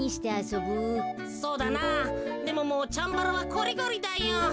そうだなでももうチャンバラはこりごりだよ。